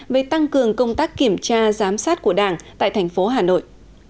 về tăng cường công tác kiểm tra giám sát của đảng tại thành phố hà nội